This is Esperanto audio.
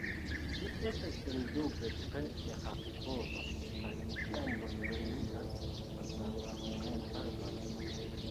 Mi estas sendube tre eraripova, kaj mi ĉiam bonvenigas kontraŭargumentadon.